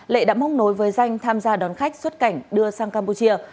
lệ đã móc nối với danh tham gia đón khách xuất cảnh đưa sang campuchia